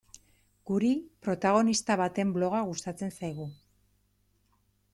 Guri, protagonista baten bloga gustatzen zaigu.